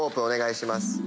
お願いします。